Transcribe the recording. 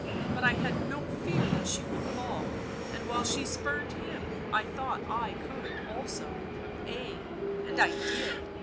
but I had no fear that she would fall, and while she spurned him I thought I could also, ay, and I did